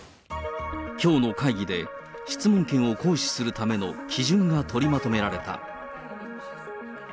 きょうの会議で、質問権を行使するための基準が取りまとめられた。